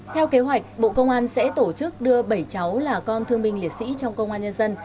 theo kế hoạch bộ công an sẽ tổ chức đưa bảy cháu là con thương minh liệt sĩ trong công an nhân dân